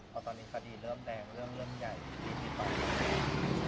เพราะตอนนี้ขวดเริ่มแรงเริ่มเริ่มใหญ่นี่ติดต่อก็ได้